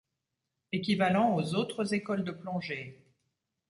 Equivalent aux autres écoles de plongée.